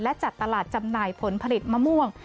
และจัดตลาดจำหน่ายผลผลิตมะม่วง